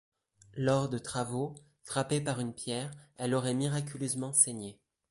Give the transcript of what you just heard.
Lors de travaux, frappée par une pierre, elle aurait miraculeusement saigné.